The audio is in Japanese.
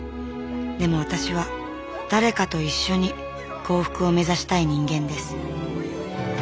でも私は誰かと一緒に幸福を目指したい人間です。